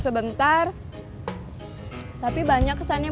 ini orang tua ini toutes kalau